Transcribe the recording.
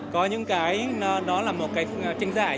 có những cái nó là một cái tranh giải